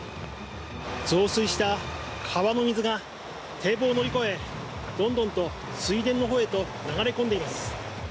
増水した川の水が堤防を乗り越えどんどんと水田の方へと流れ込んでいます。